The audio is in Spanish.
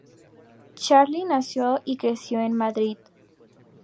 Charly, nació y creció en Madrid.